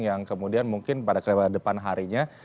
yang kemudian mungkin pada depan harinya